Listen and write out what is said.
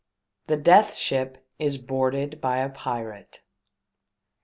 .THE DEATH SHIP IS BOARDED BY A PIRATE.